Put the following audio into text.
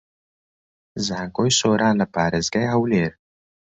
زانکۆی سۆران لە پارێزگای هەولێر